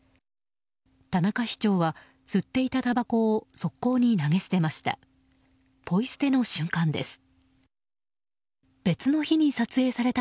田中市長は、吸っていたたばこを側溝に投げ捨てました。